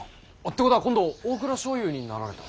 てことは今度大蔵少輔になられた。